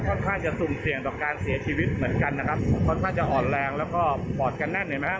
ค่อนข้างจะสุ่มเสี่ยงต่อการเสียชีวิตเหมือนกันนะครับค่อนข้างจะอ่อนแรงแล้วก็ปอดกันแน่นเห็นไหมฮะ